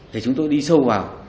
thì chúng tôi đi sâu vào